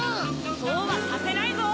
そうはさせないぞ！